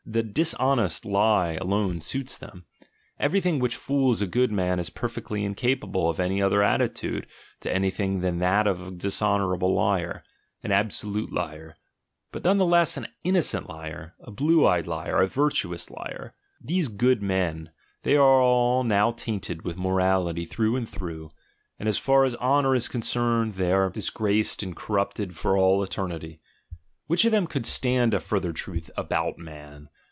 The dishonest lie alone suits them: everything which fools a good man is perfectly incapable of any other attitude to anything than that of a dishonourable liar, an absolute liar, but none the less an innocent liar, a blue eyed liar, a virtuous liar. These "good men," they are all now tainted with morality through and through, and as far as honour is concerned they are disgraced and cor rupted for all eternity. Which of them could stand a further truth "about man"?